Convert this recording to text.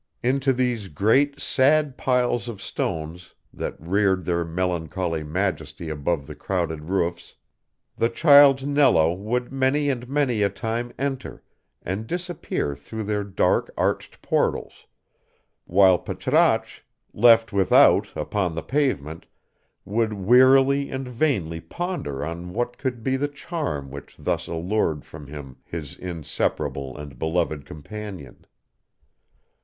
Into these great, sad piles of stones, that reared their melancholy majesty above the crowded roofs, the child Nello would many and many a time enter, and disappear through their dark arched portals, whilst Patrasche, left without upon the pavement, would wearily and vainly ponder on what could be the charm which thus allured from him his inseparable and beloved companion.